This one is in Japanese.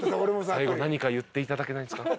「最後何か言っていただけないですか？」